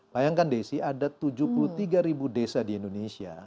bayangkan desi ada tujuh puluh tiga ribu desa di indonesia